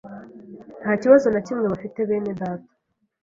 nta kibazo na kimwe bafite, bene data